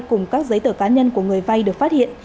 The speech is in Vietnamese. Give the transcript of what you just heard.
cùng các giấy tờ cá nhân của người vay được phát hiện